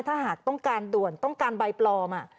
ถ้าหากต้องการด่วนต้องการใบปลอม